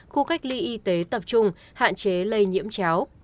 khu cách ly y tế tập trung hạn chế lây nhiễm chéo